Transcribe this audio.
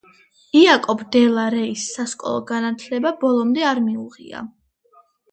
იაკობ დე ლა რეის სასკოლო განათლება ბოლომდე არ მიუღია.